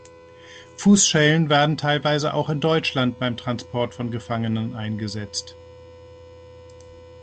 Fußschellen werden teilweise auch in Deutschland beim Transport von Gefangenen eingesetzt.